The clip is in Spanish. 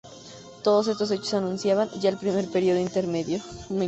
Todos estos hechos anunciaban ya el Primer Período Intermedio.